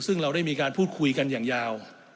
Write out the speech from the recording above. ซึ่งเราได้มีการพูดคุยกันอย่างยาว